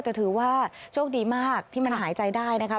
แต่ถือว่าโชคดีมากที่มันหายใจได้นะคะ